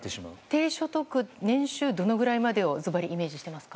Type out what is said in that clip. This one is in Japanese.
低所得年収、どのくらいまでをずばりイメージしていますか？